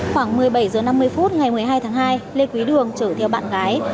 khoảng một mươi bảy h năm mươi phút ngày một mươi hai tháng hai lê quý đường chở theo bạn gái